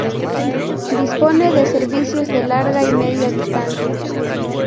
Dispone de servicios de larga y media distancia.